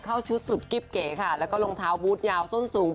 เข้าชุดสุดกิ๊บเก๋ค่ะแล้วก็รองเท้าบูธยาวส้นสูง